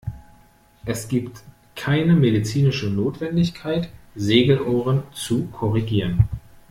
Es gibt keine medizinische Notwendigkeit, Segelohren zu korrigieren.